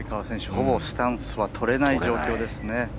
ほぼスタンスはとれない状況ですね。